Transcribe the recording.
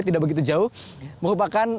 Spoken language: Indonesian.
tidak begitu jauh merupakan